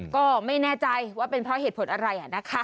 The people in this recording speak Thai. ก็ไม่แน่ใจว่าเป็นเพราะเหตุผลอะไรนะคะ